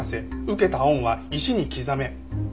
受けた恩は石に刻め。